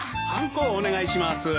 はんこをお願いします。